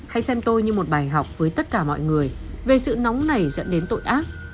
hãy xem tôi như một bài học với tất cả mọi người về sự nóng này dẫn đến tội ác